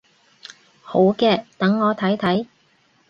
好嘅，等我睇睇